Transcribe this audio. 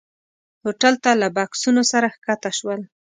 هوټل ته له بکسونو سره ښکته شول.